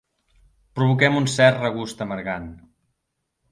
Provoquem un cert regust amargant.